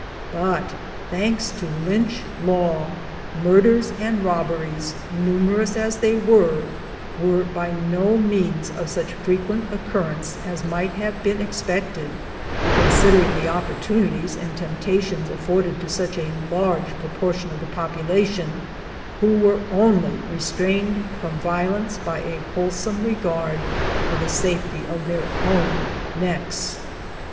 But, thanks to L3mch law, murders and robberies, numerous as they were, were by no means of such frequent occurrence as might have been ex pected, considering the opportunities and temptations afforded to such a large proportion of the population, who were only restrained from violence by a whole some regard for the safety of their own necks.